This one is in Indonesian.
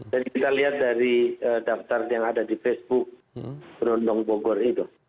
dan kita lihat dari daftar yang ada di facebook rondong bogor itu